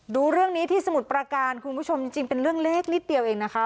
ดูเรื่องนี้ที่สมุทรประการคุณผู้ชมจริงเป็นเรื่องเล็กนิดเดียวเองนะคะ